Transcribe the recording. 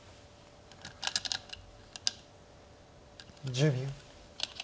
１０秒。